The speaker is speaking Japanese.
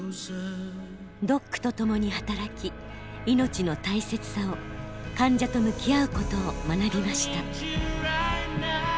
ドックと共に働き命の大切さを患者と向き合うことを学びました。